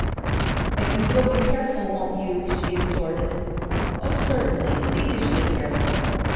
"But you will be careful, won't you?" she exhorted. "Oh, certainly. Fiendishly careful."